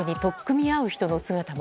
人に取っ組み合う人も。